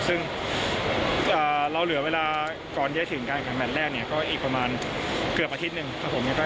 ซึ่งเราเหลือเวลาก่อนที่ได้ถึงการการแมทแรกเนี่ยก็อีกประมาณเกือบอาทิตย์นึง